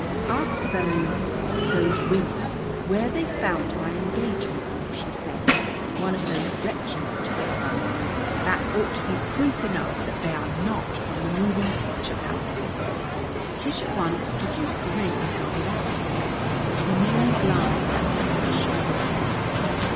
"Ask those those women where they found my engagement ring," she said. "One of those wretches took it from me. That ought to be proof enough that they are not from the moving picture outfit." Tish at once produced the ring and held it out to him. But he merely glanced at it and shook his head.